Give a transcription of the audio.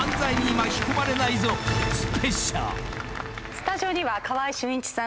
スタジオには川合俊一さん